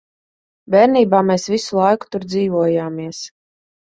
Bērnībā mēs visu laiku tur dzīvojāmies.